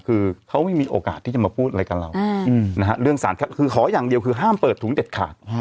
คือเขาไม่มีโอกาสที่จะมาพูดอะไรกับเราเรื่องสารคือขออย่างเดียวคือห้ามเปิดถุงเด็ดขาด